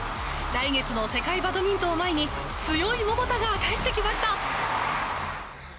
来月の世界バドミントンを前に強い桃田が帰ってきました。